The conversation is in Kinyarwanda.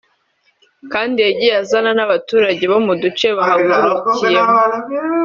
kandi yagiye azana n’abaturage bo mu duce bahagurukiyemo